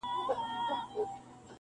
سپرلی ټینکه وعده وکړي چي را ځمه,